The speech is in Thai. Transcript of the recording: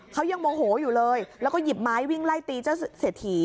เขายังโมโหอยู่เลยแล้วก็หยิบไม้วิ่งไล่ตีเจ้าเศรษฐี